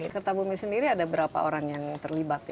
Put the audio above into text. kertabumi sendiri ada berapa orang yang terlibat